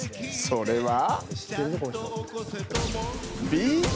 それは。